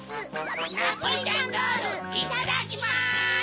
ナポリタンロールいただきます！